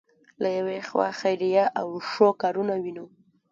له یوې خوا خیریه او ښه کارونه وینو.